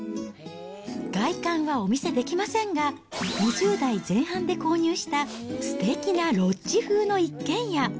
外観はお見せできませんが、２０代前半で購入したすてきなロッジ風の一軒家。